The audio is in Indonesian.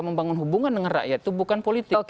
membangun hubungan dengan rakyat itu bukan politik